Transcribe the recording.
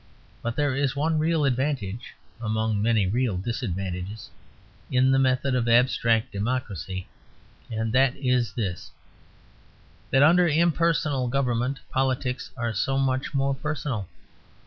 But there is one real advantage (among many real disadvantages) in the method of abstract democracy, and that is this: that under impersonal government politics are so much more personal.